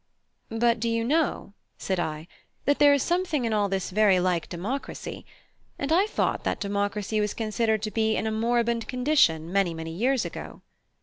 "But do you know," said I, "that there is something in all this very like democracy; and I thought that democracy was considered to be in a moribund condition many, many years ago."